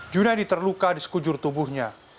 junadi terluka di sekujur tubuhnya